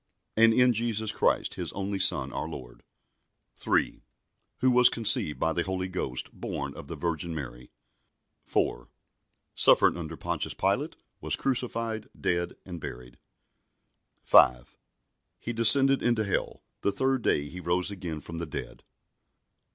And in Jesus Christ His only Son our Lord, 3. Who was conceived by the Holy Ghost, born of the Virgin Mary, 4. Suffered under Pontius Pilate, was crucified, dead, and buried, 5. He descended into hell; the third day He rose again from the dead, 6.